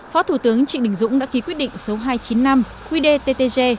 phó thủ tướng trịnh đình dũng đã ký quyết định số hai trăm chín mươi năm quy đê ttg